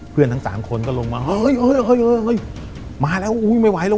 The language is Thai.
เพื่อนทั้งสามคนก็ลงมาเฮ้ยเฮ้ยเฮ้ยเฮ้ยเฮ้ยมาแล้วอุ้ยไม่ไหวแล้ว